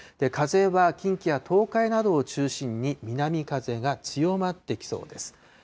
風は近畿や東海などを中心に、南風が強まってきそうです。